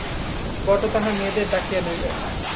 বরদা তাঁহার মেয়েদের ডাকিয়া লইলেন।